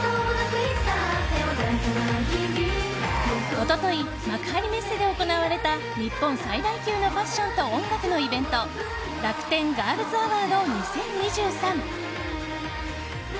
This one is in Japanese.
一昨日、幕張メッセで行われた日本最大級のファッションと音楽のイベントＲａｋｕｔｅｎＧｉｒｌｓＡｗａｒｄ２０２３。